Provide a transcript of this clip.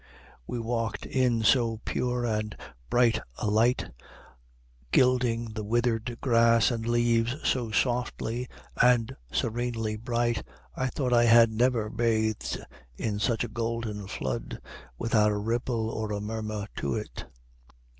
We walked in so pure and bright a light, gilding the withered grass and leaves, so softly and serenely bright, I thought I had never bathed in such a golden flood, without a ripple or a murmur to it.